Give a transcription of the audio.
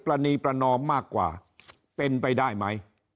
รณีประนอมมากกว่าเป็นไปได้ไหม